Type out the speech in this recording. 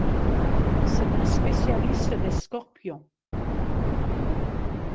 C'est un spécialiste des scorpions.